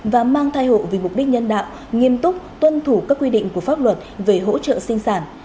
và mang thai hộ vì mục đích nhân đạo nghiêm túc tuân thủ các quy định của pháp luật về hỗ trợ sinh sản